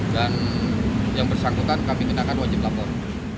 dan yang bersangkutan kami kenakan wajib lapor